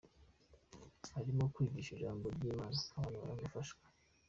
Arimo kwigisha Ijambo ry’imana abantu bagafashwa